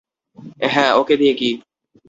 হ্যাঁ, ওকে দিয়ে কী?